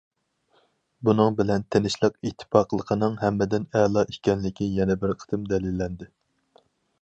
بۇنىڭ بىلەن، تىنچلىق، ئىتتىپاقلىقنىڭ ھەممىدىن ئەلا ئىكەنلىكى يەنە بىر قېتىم دەلىللەندى.